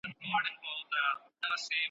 مُلایان سي آیتونه جوړولای